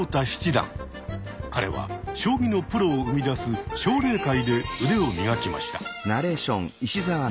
彼は将棋のプロを生み出す「奨励会」で腕を磨きました。